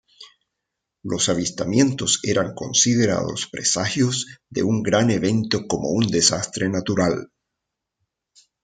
Los avistamientos eran considerados presagios de un gran evento como un desastre natural.